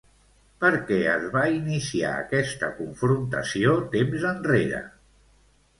Per què es va iniciar aquesta confrontació temps enrere?